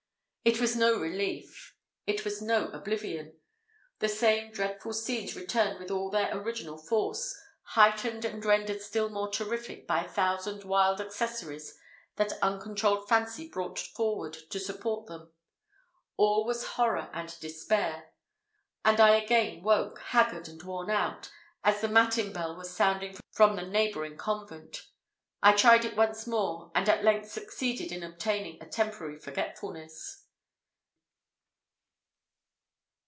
It was no relief it was no oblivion. The same dreadful scenes returned with their full original force, heightened and rendered still more terrific by a thousand wild accessories that uncontrolled fancy brought forward to support them. All was horror and despair; and I again woke, haggard and worn out, as the matin bell was sounding from the neighbouring convent: I tried it once more, and at length succeeded in obtaining a temporary forgetfulness.